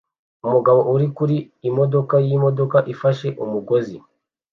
Umugabo uri kuri imodoka yimodoka ifashe umugozi